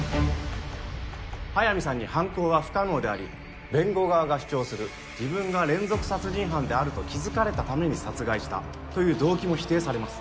速水さんに犯行は不可能であり弁護側が主張する「自分が連続殺人犯であると気づかれたために殺害した」という動機も否定されます。